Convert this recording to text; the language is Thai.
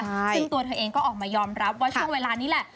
ซึ่งตัวเธอเองก็ออกมายอมรับว่าช่วงเวลานี้แหละ